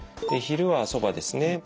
昼はそばですね。